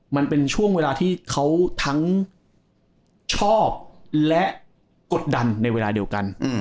มันเป็นช่วงเวลาที่เขาทั้งชอบและกดดันในเวลาเดียวกัน